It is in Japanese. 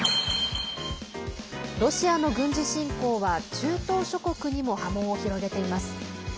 ロシアの軍事侵攻は中東諸国にも波紋を広げています。